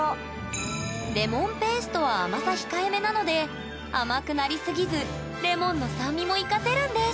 レモンペーストは甘さ控え目なので甘くなりすぎずレモンの酸味も生かせるんです！